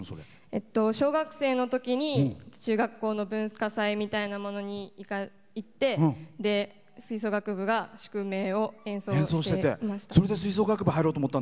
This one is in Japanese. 小学生のときに中学校の文化祭みたいなものに行って吹奏楽部が「宿命」を演奏してました。